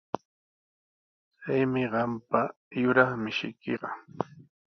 Chaymi qampa yuraq mishiykiqa.